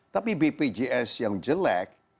tapi bpjs yang jelek